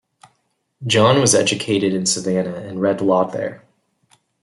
John was educated in Savannah and read law there.